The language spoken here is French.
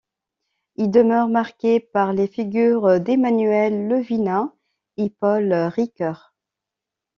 Il demeure marqué par les figures d'Emmanuel Levinas et Paul Ricœur.